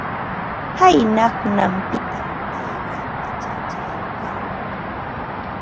Qayna hunanpitam payqa achachaykan.